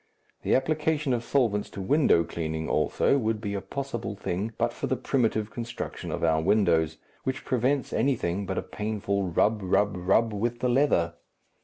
The application of solvents to window cleaning, also, would be a possible thing but for the primitive construction of our windows, which prevents anything but a painful rub, rub, rub, with the leather.